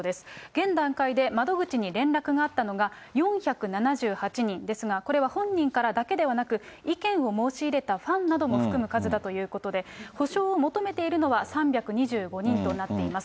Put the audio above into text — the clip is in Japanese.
現段階で窓口に連絡があったのが４７８人ですが、これは本人からだけではなく、意見を申し入れたファンなども含む数だということで、補償を求めているのは３２５人となっています。